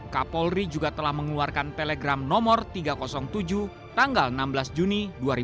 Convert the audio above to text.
kapolri juga telah mengeluarkan telegram nomor tiga ratus tujuh tanggal enam belas juni dua ribu dua puluh